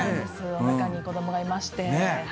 おなかに子供がいまして。